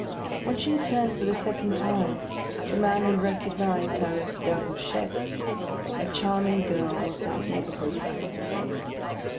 When she had turned for the second time, the man had recognised her as Déruchette, a charming girl of that neighbourhood.